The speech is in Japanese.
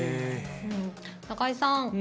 中居さん